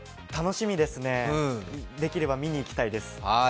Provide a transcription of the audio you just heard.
楽しみですね、できれば見に行きたいです。